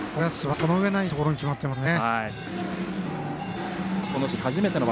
この上ないところに決まりましたね。